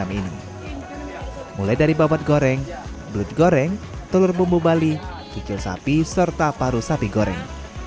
dua ribu enam ini mulai dari babat goreng belut goreng telur bumbu bali kicil sapi serta paru sapi goreng